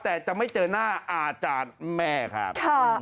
แต่จะไม่เจอหน้าอาจารย์แม่ครับ